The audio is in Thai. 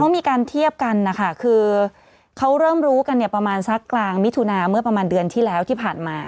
มีการเทียบกันนะคะคือเขาเริ่มรู้กันเนี่ยประมาณสักกลางมิถุนาเมื่อประมาณเดือนที่แล้วที่ผ่านมา